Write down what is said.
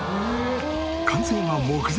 完成は目前。